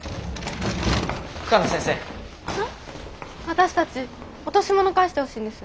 私たち落とし物返してほしいんです。